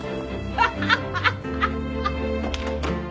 ハハハハッ！